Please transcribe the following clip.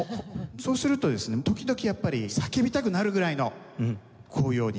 そうするとですね時々やっぱり叫びたくなるぐらいの紅葉に。